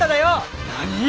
何！？